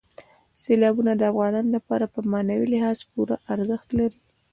سیلابونه د افغانانو لپاره په معنوي لحاظ پوره ارزښت لري.